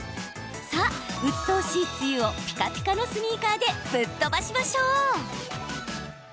さあ、うっとうしい梅雨をピカピカのスニーカーでぶっ飛ばしましょう！